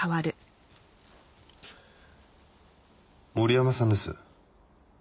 森山さんです。